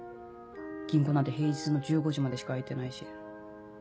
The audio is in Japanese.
銀行なんて平日の１５時までしか開いてないし。